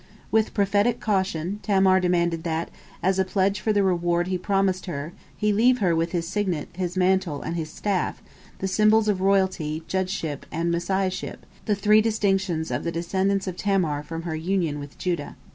With prophetic caution, Tamar demanded that, as a pledge for the reward he promised her, he leave with her his signet, his mantle, and his staff, the symbols of royalty, judgeship, and Messiahship, the three distinctions of the descendants of Tamar from her union with Judah.